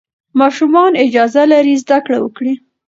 ماشومان اجازه لري زده کړه وکړي.